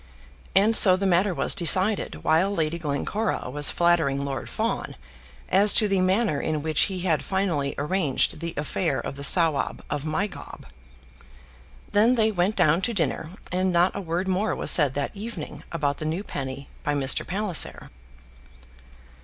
And so the matter was decided while Lady Glencora was flattering Lord Fawn as to the manner in which he had finally arranged the affair of the Sawab of Mygawb. Then they went down to dinner, and not a word more was said that evening about the new penny by Mr. Palliser.